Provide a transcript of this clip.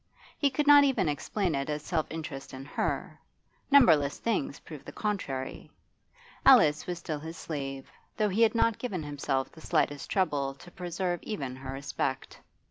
He could not even explain it as self interest in her; numberless things proved the contrary. Alice was still his slave, though he had not given himself the slightest trouble to preserve even her respect.